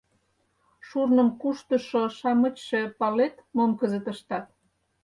— Шурным куштышо-шамычше, палет, мом кызыт ыштат?